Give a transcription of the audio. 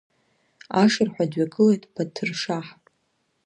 Ашырҳәа дҩагылеит Баҭыршаҳ.